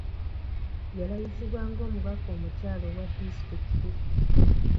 Yalayizibwa ng'omubaka omukyala owa disitulikiti.